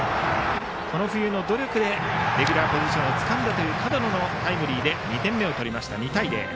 この冬の努力でレギュラーポジションをつかんだ角野のタイムリーで２点目を取って２対０。